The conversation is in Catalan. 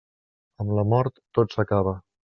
Amb la mort tot s'acaba.